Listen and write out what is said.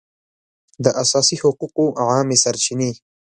د اساسي حقوقو عامې سرچینې